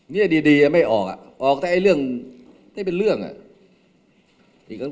เนี่ยดีไม่ออกอ่ะออกแต่ไอ้เรื่องที่เป็นเรื่องอ่ะ